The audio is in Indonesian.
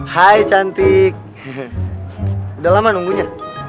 hai cantik udah lama nunggunya